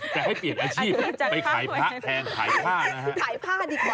แต่ให้เปลี่ยนอาชีพไปขายผ้าแทนขายผ้านะครับ